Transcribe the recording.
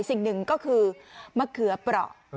สิ่งหนึ่งก็คือมะเขือเปราะ